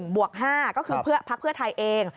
บวก๕ก็คือพักเพื่อไทยเอง